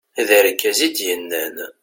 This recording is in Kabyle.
d argaz i d-yennan